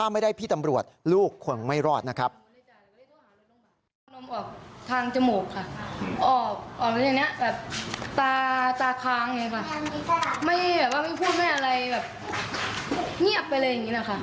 ไม่พูดแบบไม่อะไรแบบเงียบไปเลยอย่างนี้นะคะ